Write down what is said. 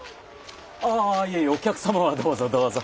ああいえいえお客様はどうぞどうぞ。